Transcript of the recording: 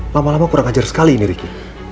lama lama kurang ajar sekali ini ricky